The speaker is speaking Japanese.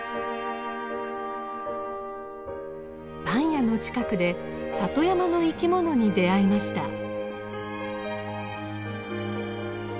パン屋の近くで里山の生き物に出会いました。